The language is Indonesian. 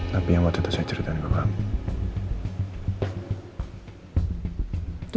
tapi yang waktu itu saya ceritakan ke kamu